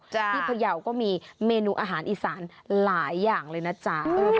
ที่พยาวก็มีเมนูอาหารอีสานหลายอย่างเลยนะจ๊ะ